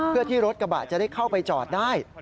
เพื่อที่รถกระบะจะได้เข้าไปจอดได้